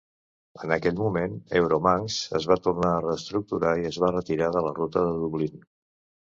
En aquell moment, EuroManx es va tornar a reestructurar i es va retirar de la ruta de Dublin.